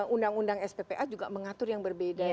undang undang sppa juga mengatur yang berbeda